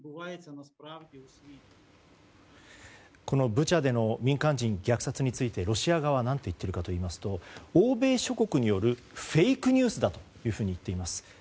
このブチャでの民間人虐殺についてロシア側は何と言っているかといいますと欧米諸国によるフェイクニュースだと言っています。